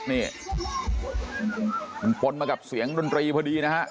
นี่มันปนมากับเสียงดนตรีพอดีนะฮะ